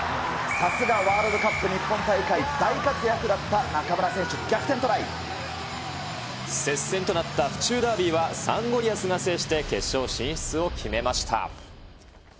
さすがワールドカップ日本大会大接戦となった府中ダービーは、サンゴリアスが制して、決勝進出を決めました。